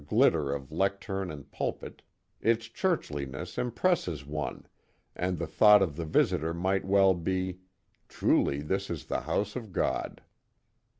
glitter of lecturn and pulpit, its churchliness impresses one, and the thought of the visitor might well be, truly this is the house of God.